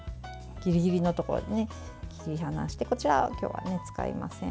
ぎりぎりのところで切り離してこちらは今日は使いません。